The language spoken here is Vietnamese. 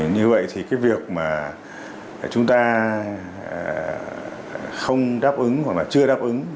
như vậy thì cái việc mà chúng ta không đáp ứng hoặc là chưa đáp ứng